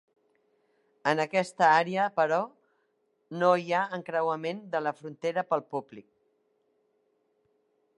En aquesta àrea, però, no hi ha encreuament de la frontera pel públic.